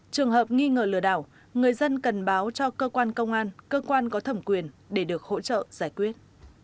trường hợp nghi ngờ lừa đảo người dân cần báo cho cơ quan công an cơ quan có thẩm quyền để được hỗ trợ giải quyết